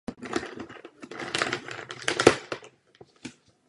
Globální cíle jsou velmi složité a pro nás někdy nedosažitelné.